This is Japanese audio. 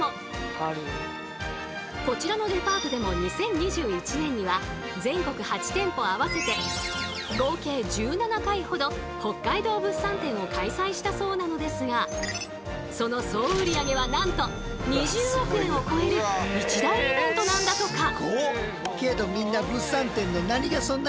こちらのデパートでも２０２１年には全国８店舗合わせて合計１７回ほど北海道物産展を開催したそうなのですがその総売り上げはなんと２０億円を超える一大イベントなんだとか！